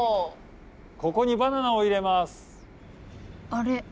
あれ？